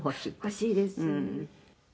「欲しいです」はあ。